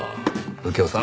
右京さん